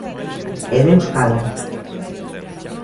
E Deus cala.